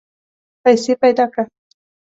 پیسې پیدا کړه.